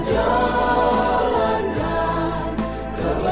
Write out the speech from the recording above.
saya staat berdiri mengepuk hatiku